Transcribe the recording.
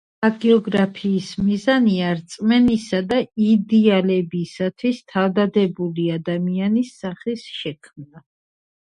ვიბრისები სპეციალიზებული გრძნობის ორგანოებია, რომლებიც აღიქვამენ გარემოს უმცირეს რხევებს.